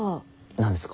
何ですか？